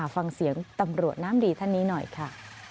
ฟังเสียงตำรวจน้ำดีท่านนี้หน่อยค่ะ